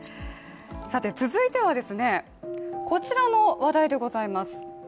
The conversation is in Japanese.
続いては、こちらの話題でございます。